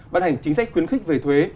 bàn hành chính sách khuyến khích về thuế